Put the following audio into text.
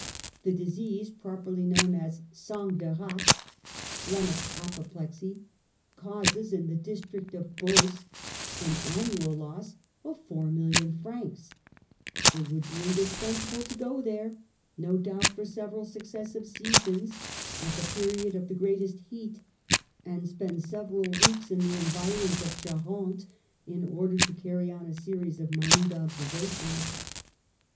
The disease popularly known as sang de rate (splenic apo plexy) causes in the district of Beauce an an nual loss of four million francs; it would be indispensable to go there, no doubt for several successive seasons, at the period of the great est heat, and spend several weeks in the en virons of Charente, in order to carry on a series of minute observations.